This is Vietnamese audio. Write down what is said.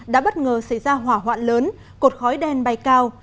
đã bất ngờ xảy ra hỏa hoạn lớn cột khói đen bay cao